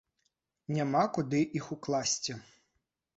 Няма куды іх укласці.